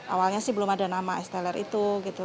awalnya sih belum ada nama es teler itu gitu